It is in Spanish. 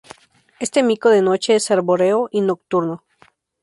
Este mico de noche es arbóreo y nocturno.